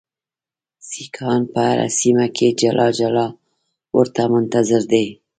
سیکهان په هره سیمه کې جلا جلا ورته منتظر دي.